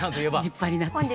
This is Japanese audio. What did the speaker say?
立派になって。